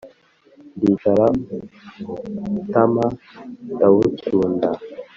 ndicara ubutama ndabutunda;